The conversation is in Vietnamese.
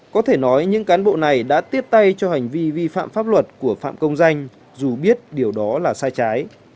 có thể nói những cán bộ này đã tiếp tay cho hành vi vi phạm pháp luật của phạm công danh dù biết điều đó là sai trái